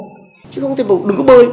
chứ không thể bầu đừng có bơi